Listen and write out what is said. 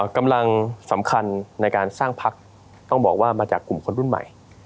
กำลังสำคัญในการสร้างพักต้องบอกว่ามาจากกลุ่มคนรุ่นใหม่